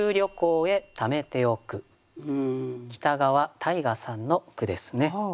北川大翔さんの句ですね。